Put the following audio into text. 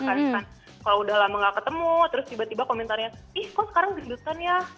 karena kan kalau udah lama gak ketemu terus tiba tiba komentarnya ih kok sekarang gendutan ya